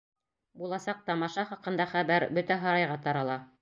Буласаҡ тамаша хаҡында хәбәр бөтә һарайға тарала.